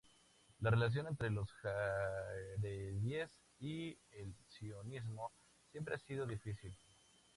La relación entre los jaredíes y el sionismo siempre ha sido difícil.